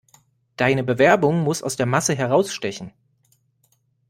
Deine Bewerbung muss aus der Masse herausstechen.